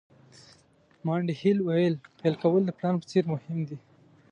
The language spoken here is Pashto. مانډي هیل وایي پیل کول د پلان په څېر مهم دي.